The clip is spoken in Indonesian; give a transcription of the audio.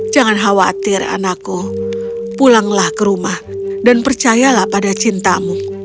jangan khawatir anakku pulanglah ke rumah dan percayalah pada cintamu